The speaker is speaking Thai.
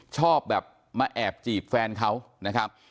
ชอบแบบมาแอบจีบแฟนเขานะครับ